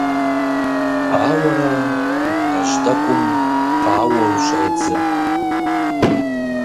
Ауэрэ унэжь тӀэкӀум къауэу щӀедзэ.